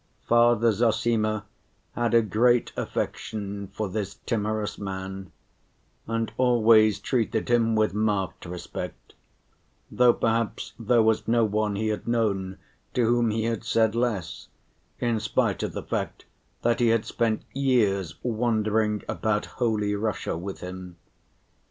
Father Zossima had a great affection for this timorous man, and always treated him with marked respect, though perhaps there was no one he had known to whom he had said less, in spite of the fact that he had spent years wandering about holy Russia with him.